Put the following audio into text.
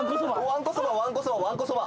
わんこそばわんこそばわんこそば。